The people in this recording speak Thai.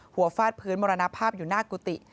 ฟาดพื้นมรณภาพอยู่หน้ากุฏิ